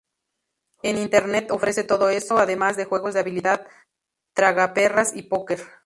En internet ofrece todo eso, además de juegos de habilidad, tragaperras y póquer.